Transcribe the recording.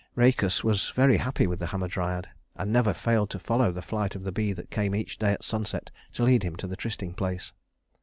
Rhœcus was very happy with the Hamadryad; and never failed to follow the flight of the bee that came each day at sunset to lead him to the trysting place.